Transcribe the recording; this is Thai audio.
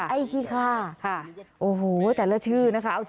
ไอคีคาโอ้โหแต่ละชื่อนะคะ